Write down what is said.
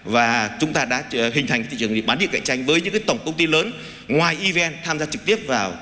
và chúng ta đã hình thành thị trường bán địa cạnh tranh với những tổng công ty lớn ngoài evn tham gia trực tiếp vào